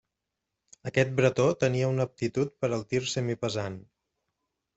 Aquest Bretó tenia una aptitud per al tir semipesant.